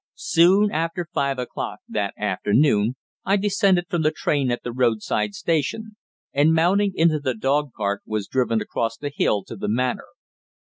Soon after five o'clock that afternoon I descended from the train at the roadside station, and, mounting into the dog cart, was driven across the hill to the Manor.